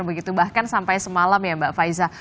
begitu bahkan sampai semalam ya mbak faiza